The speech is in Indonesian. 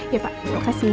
ya pak terima kasih